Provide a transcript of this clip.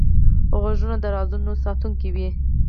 غوږونه د رازونو ساتونکی وي